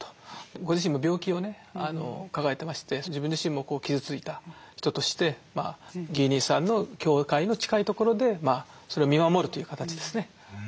ご自身も病気をね抱えてまして自分自身も傷ついた人としてギー兄さんの教会の近いところでそれを見守るという形ですね。